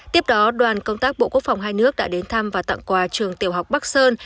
tiếp đó đoàn công tác bộ quốc phòng hai nước đã đến thăm và tặng quà trường tiểu học bắc sơn